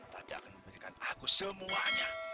tapi akan memberikan aku semuanya